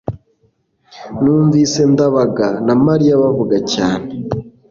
numvise ndabaga na mariya bavuga cyane